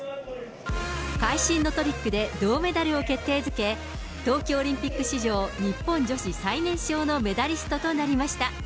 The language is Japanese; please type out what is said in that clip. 会心のトリックで銅メダルを決定づけ、冬季オリンピック史上日本女子最年少のメダリストとなりました。